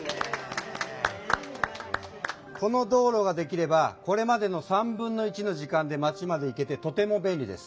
この道路ができればこれまでの３分の１の時間で町まで行けてとても便利です。